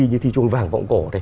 như thi trung vàng võng cổ